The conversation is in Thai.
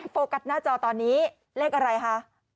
โฟกัสหน้าจอตอนนี้เลขอะไรคะ